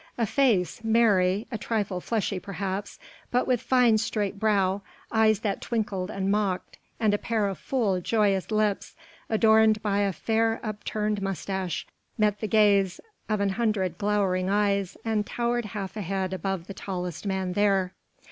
A face, merry, a trifle fleshy perhaps, but with fine, straight brow, eyes that twinkled and mocked and a pair of full, joyous lips adorned by a fair upturned moustache, met the gaze of an hundred glowering eyes and towered half a head above the tallest man there.